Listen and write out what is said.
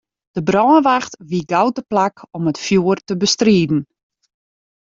De brânwacht wie gau teplak om it fjoer te bestriden.